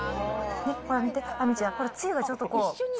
ほら見て、亜美ちゃん、これ、つゆがちょっとこう。